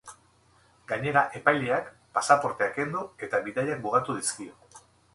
Gainera, epaileak pasaportea kendu eta bidaiak mugatu dizkio.